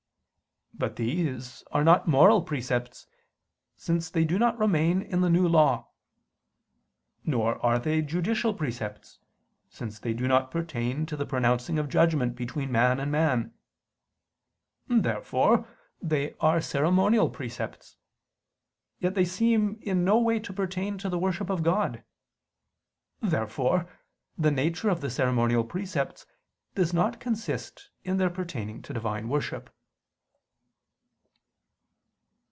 But these are not moral precepts; since they do not remain in the New Law. Nor are they judicial precepts; since they do not pertain to the pronouncing of judgment between man and man. Therefore they are ceremonial precepts. Yet they seem in no way to pertain to the worship of God. Therefore the nature of the ceremonial precepts does not consist in their pertaining to Divine worship.